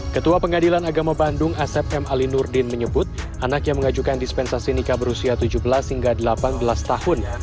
ketua pengadilan agama bandung asep m ali nurdin menyebut anaknya mengajukan dispensasi nikah berusia tujuh belas hingga delapan belas tahun